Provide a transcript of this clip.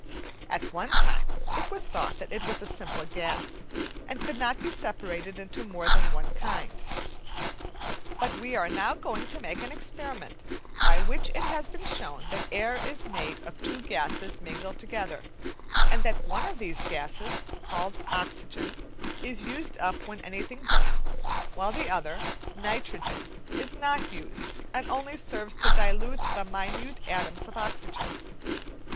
At one time it was thought that it was a simple gas and could not be separated into more than one kind. But we are now going to make an experiment by which it has been shown that air is made of two gases mingled together, and that one of these gases, called oxygen, is used up when anything burns, while the other nitrogen is not used, and only serves to dilute the minute atoms of oxygen.